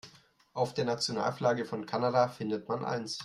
Auf der Nationalflagge von Kanada findet man eins.